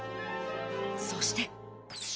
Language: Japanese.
そして。